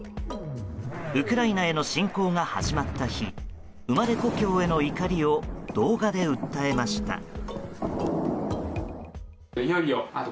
ウクライナへの侵攻が始まった日生まれ故郷への怒りを動画で訴えました。